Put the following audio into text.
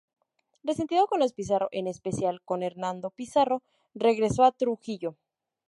Resentido con los Pizarro, en especial con Hernando Pizarro, regresó a Trujillo.